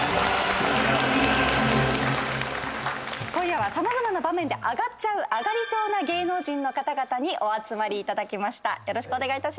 今夜は様々な場面であがっちゃうあがり症な芸能人の方々にお集まりいただきました。